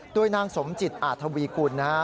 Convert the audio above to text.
ด้วยนางสมจิตอาทวีคุณนะครับ